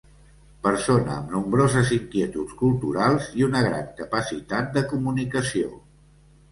Persona amb nombroses inquietuds culturals i una gran capacitat de comunicació.